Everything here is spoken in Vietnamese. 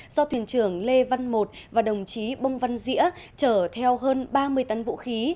do thuyền trưởng lê văn một và đồng chí bông văn dĩa chở theo hơn ba mươi tấn vũ khí